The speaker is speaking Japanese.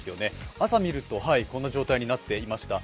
朝見るとこんな状態になっていました。